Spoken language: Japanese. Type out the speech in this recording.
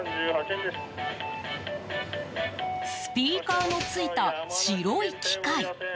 スピーカーのついた白い機械。